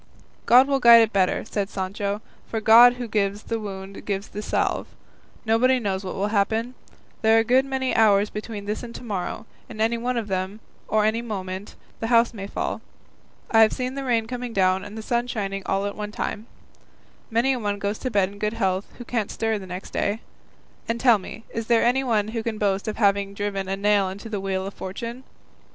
"God will guide it better," said Sancho, "for God who gives the wound gives the salve; nobody knows what will happen; there are a good many hours between this and to morrow, and any one of them, or any moment, the house may fall; I have seen the rain coming down and the sun shining all at one time; many a one goes to bed in good health who can't stir the next day. And tell me, is there anyone who can boast of having driven a nail into the wheel of fortune?